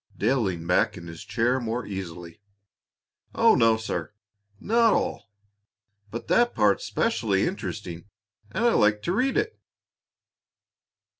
Dale leaned back in his chair more easily. "Oh no, sir, not all! But that part's specially interesting, and I I like to read it."